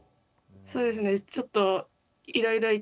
そうですね。